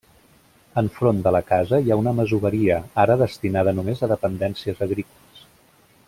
Enfront de la casa hi ha una masoveria, ara destinada només a dependències agrícoles.